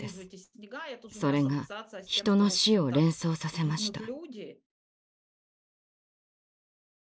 それが人の死を連想させました。